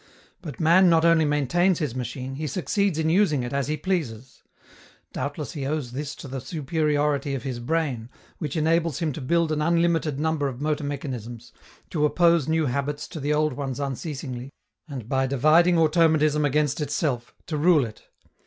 But man not only maintains his machine, he succeeds in using it as he pleases. Doubtless he owes this to the superiority of his brain, which enables him to build an unlimited number of motor mechanisms, to oppose new habits to the old ones unceasingly, and, by dividing automatism against itself, to rule it.